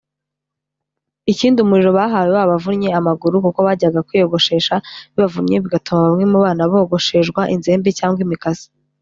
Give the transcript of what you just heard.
Ikindi umuriro bahawe wabavunnye amaguru kuko bajyaga kwiyogoshesha bibavunnye bigatuma bamwe mu bana bogoshejwa inzembe cyangwa imikasi